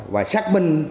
và xác minh